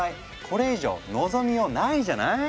これ以上望みようないじゃない？